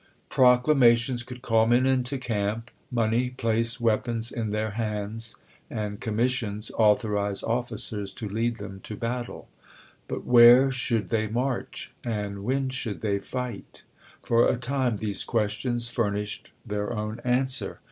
XJROCLAMATIONS could call men into camp, _L money place weapons in their hands, and commissions authorize officers to lead them to bat tle ; but where should they march and when should they fight ? For a time these questions furnished their own answer.